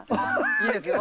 いいですよ。